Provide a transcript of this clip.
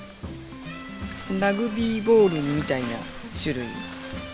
ラグビーボールみたいな種類。